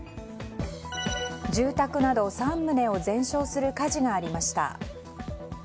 住宅など３棟を全焼する火事がありました。